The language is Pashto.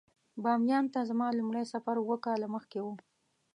بامیان ته زما لومړی سفر اووه کاله مخکې و.